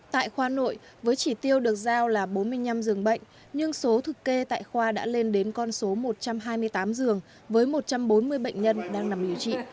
tại khoa nội với chỉ tiêu được giao là bốn mươi năm giường bệnh nhưng số thực kê tại khoa đã lên đến con số một trăm hai mươi tám giường với một trăm bốn mươi bệnh nhân đang nằm điều trị